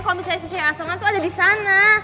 kalau bisa si c a s m a tuh ada disana